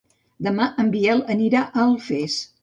Demà en Biel anirà a Alfés.